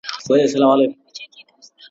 ولي بې وزله خلګو ته باید ځانګړي پاملرنه وسي؟